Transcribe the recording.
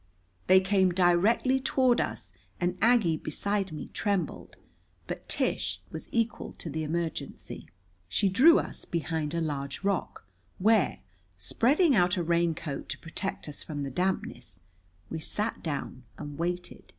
They came directly toward us, and Aggie beside me trembled. But Tish was equal to the emergency. She drew us behind a large rock, where, spreading out a raincoat to protect us from the dampness, we sat down and waited.